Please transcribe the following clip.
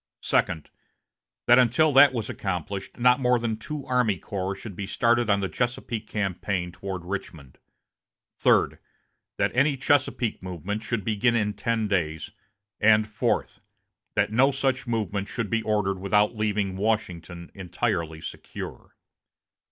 Second. That until that was accomplished not more than two army corps should be started on the Chesapeake campaign toward Richmond Third. That any Chesapeake movement should begin in ten days; and Fourth. That no such movement should be ordered without leaving Washington entirely secure.